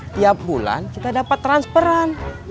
tiap bulan kita dapat transferan